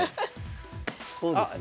こうですね？